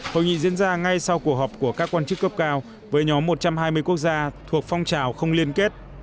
hội nghị diễn ra ngay sau cuộc họp của các quan chức cấp cao với nhóm một trăm hai mươi quốc gia thuộc phong trào không liên kết